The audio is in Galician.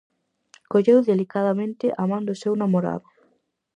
Colleu delicadamente a man do seu namorado.